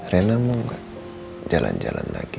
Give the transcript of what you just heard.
rena mau nggak jalan jalan lagi